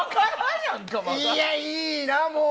いや、いいな！